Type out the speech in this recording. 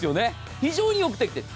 非常によくできている。